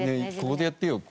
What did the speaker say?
ここでやってよ